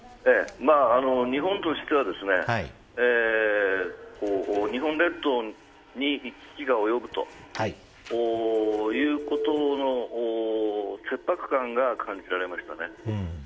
日本としては日本列島に危機が及ぶとういうことの切迫感が感じられましたね。